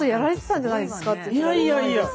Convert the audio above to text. いやいやいや。